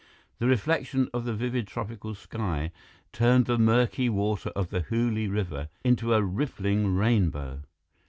The reflection of the vivid tropical sky turned the murky water of the Hooghly River into a rippling rainbow.